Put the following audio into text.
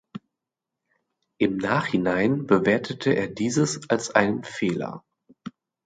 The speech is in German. Im Nachhinein bewertete er dieses als einen Fehler.